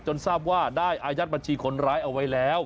ทราบว่าได้อายัดบัญชีคนร้ายเอาไว้แล้ว